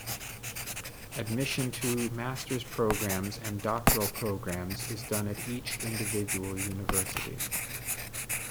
Admission to master's programmes and doctoral programmes is done at each individual university.